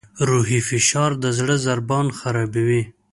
روحي فشار د زړه ضربان خرابوي.